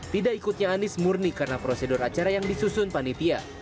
tidak ikutnya anies murni karena prosedur acara yang disusun panitia